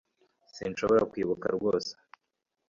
Sinshobora kwibuka rwose